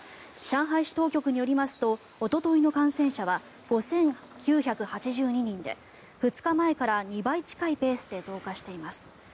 上海市当局によりますとおとといの感染者は５９８２人で２日前から２倍近いペースで増加しています。